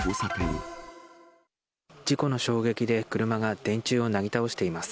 事故の衝撃で、車が電柱をなぎ倒しています。